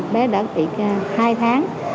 bé đã bị hai tháng